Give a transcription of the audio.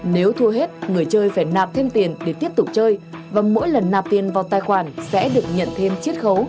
nếu thua hết người chơi phải nạp thêm tiền để tiếp tục chơi và mỗi lần nạp tiền vào tài khoản sẽ được nhận thêm chiếc khấu